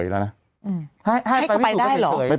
ฟังลูกครับ